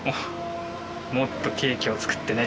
もっとケーキを作ってね」